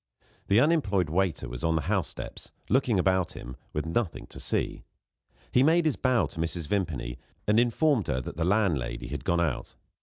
The unemployed waiter was on the house steps, looking about him with nothing to see. He made his bow to Mrs. Vimpany, and informed her that the landlady had gone out.